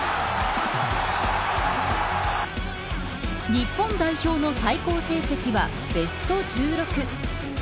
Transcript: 日本代表の最高成績はベスト１６。